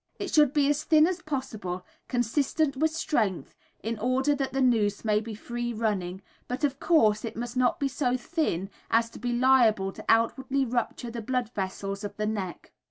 It should be as thin as possible, consistent with strength, in order that the noose may be free running, but of course, it must not be so thin as to be liable to outwardly rupture the blood vessels of the neck.